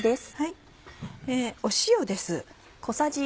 塩です。